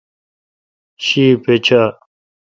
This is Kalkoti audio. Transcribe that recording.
شی پیچھہ۔